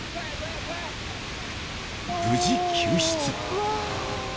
［無事救出］